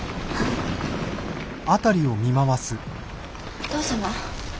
お義父様？